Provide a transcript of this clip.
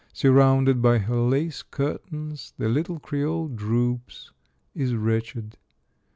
Surrounded by her lace curtains, the little Creole droops, is wretched.